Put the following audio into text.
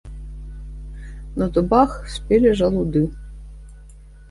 На дубах спелі жалуды.